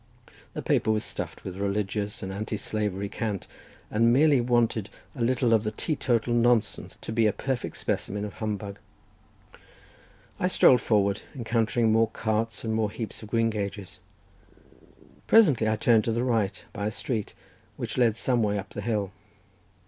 The paper was stuffed with religious and anti slavery cant, and merely wanted a little of the teetotal nonsense to be a perfect specimen of humbug. I strolled forward, encountering more carts and more heaps of greengages; presently I turned to the right by a street, which led some way up the hill.